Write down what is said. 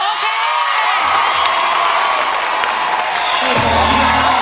เฮ้ว่าไง